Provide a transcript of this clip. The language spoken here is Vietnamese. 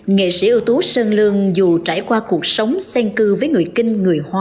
nghệ sĩ ưu tú sơn lương dù trải qua cuộc sống sen cư với người kinh người hoa